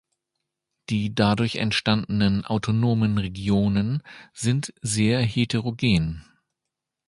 Die dadurch entstandenen autonomen Regionen sind sehr heterogen.